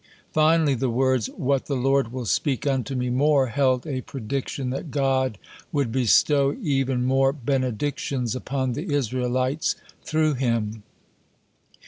Finally, the words, "What the Lord will speak unto me more," held a prediction that God would bestow even more benedictions upon the Israelites through him.